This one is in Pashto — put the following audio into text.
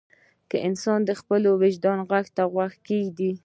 که انسان د خپل وجدان غږ ته غوږ کېږدي.